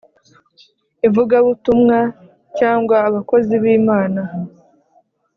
Ivugabutumwa cyangwa abakozi b imana